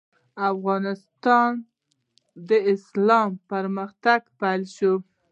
افغانستان ته د اسلام پرمختګ پیل شو.